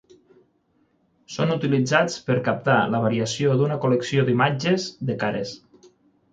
Són utilitzats per captar la variació d'una col·lecció d'imatges de cares.